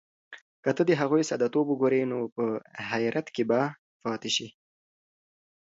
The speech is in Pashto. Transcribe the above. که ته د هغوی ساده توب وګورې، نو په حیرت کې به پاتې شې.